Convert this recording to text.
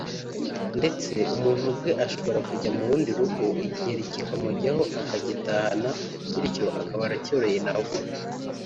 ndetse umuntu ubwe ashobora kujya mu rundi rugo igiheri kikamujyaho akagitahana bityo akaba aracyoroye na we